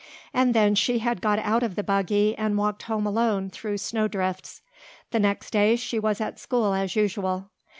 And then she had got out of the buggy and walked home alone through snow drifts. The next day she was at school as usual.